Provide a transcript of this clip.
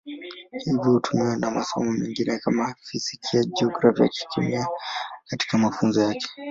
Hivyo hutumiwa na masomo mengine kama Fizikia, Jiografia, Kemia katika mafunzo yake.